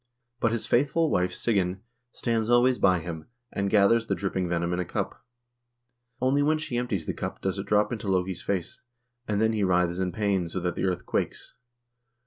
But his faithful wife, Sigyn, stands always by him, and gathers the drip ping venom in a cup. Only when she empties the cup does it drop into Loke's face, and then he writhes in pain so that the earth quakes.